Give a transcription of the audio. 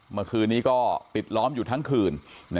เมื่อคืนนี้ก็ปิดล้อมอยู่ทั้งคืน